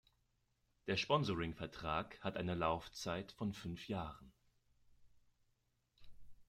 Der Sponsoringvertrag hat eine Laufzeit von fünf Jahren.